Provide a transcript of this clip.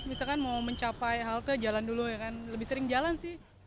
misalkan mau mencapai halte jalan dulu ya kan lebih sering jalan sih